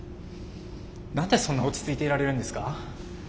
何でそんな落ち着いていられるんですか。